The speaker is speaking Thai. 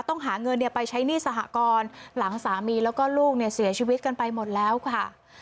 ต้องหาเงินไปใช้หนี้สหกรณ์หลังสามีแล้วก็ลูกเนี่ยเสียชีวิตกันไปหมดแล้วค่ะ